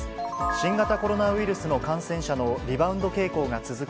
新型コロナウイルスの感染者のリバウンド傾向が続く